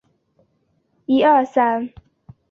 帮忙用英文叫大家进去